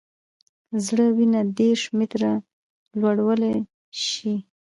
زړه وینه دېرش متره لوړولی شي.